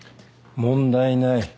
問題ない。